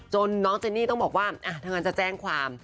น้องเจนี่ต้องบอกว่าถ้างั้นจะแจ้งความ